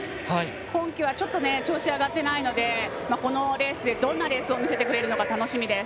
今季はちょっと調子が上がってないのでこのレースでどんなレースを見せてくれるのか楽しみです。